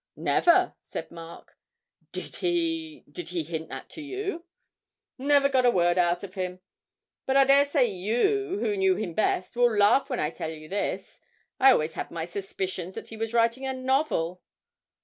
'Never,' said Mark; 'did he did he hint that to you?' 'Never got a word out of him; but I daresay you, who knew him best, will laugh when I tell you this, I always had my suspicions that he was writing a novel.'